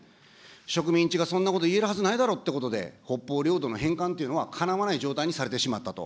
植民地がそんなこと言えるはずないだろうということで、北方領土の返還というのはかなわない状態にされてしまったと。